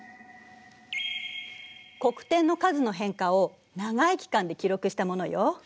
黒点の数の変化を長い期間で記録したものよ。